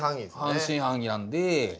半信半疑なんで。